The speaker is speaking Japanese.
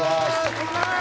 お願いします